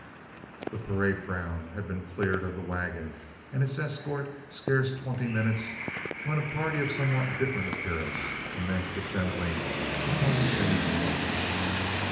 The parade ground had been cleared of the waggon and its escort scarce twenty minutes, when a party of somewhat different appearance commenced assembling upon the same spot.